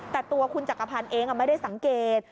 แต่ตัวคุณจักรพันธ์เองไม่ได้สังเกต